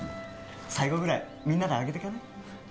最後ぐらいみんなでアゲてかね？